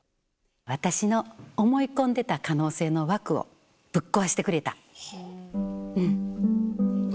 私の思い込んでた可能性の枠をぶっ壊してくれた場所です。